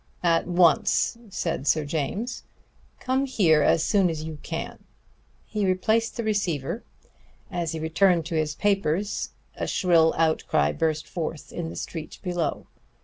"At once," said Sir James. "Come here as soon as you can!" He replaced the receiver. As he turned to his papers again a shrill outcry burst forth in the street below.